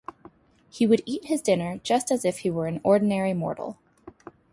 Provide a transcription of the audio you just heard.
He would eat his dinner just as if he were an ordinary mortal.